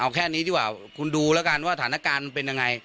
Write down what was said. เอาแค่นี้ดีกว่าคุณดูแล้วกันว่าสถานการณ์เป็นยังไง